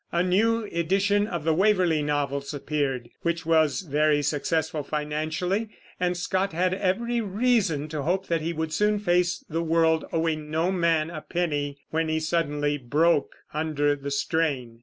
A new edition of the Waverley novels appeared, which was very successful financially, and Scott had every reason to hope that he would soon face the world owing no man a penny, when he suddenly broke under the strain.